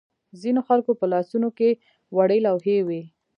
ځینو خلکو په لاسونو کې وړې لوحې وې.